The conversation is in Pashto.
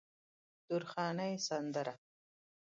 د درخانۍ سندره